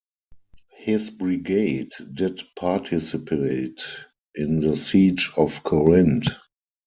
His brigade did participate in the siege of Corinth.